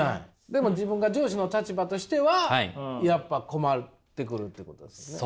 でも自分が上司の立場としてはやっぱ困ってくるっていうことですね。